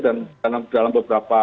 dan dalam beberapa